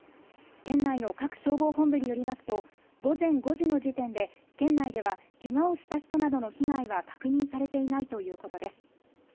県内の各消防本部によりますと午前５時の時点で県内では、けがをした人などの被害は確認されていないということです。